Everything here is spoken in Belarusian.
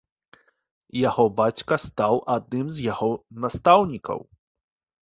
Яго бацька стаў адным з яго настаўнікаў.